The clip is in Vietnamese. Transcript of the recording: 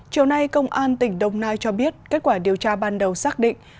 chiều nay công an tỉnh đồng nai cho biết kết quả điều tra ban đầu xác định